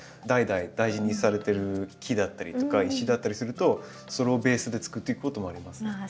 代々大事にされてる木だったりとか石だったりするとそれをベースでつくっていくこともありますね。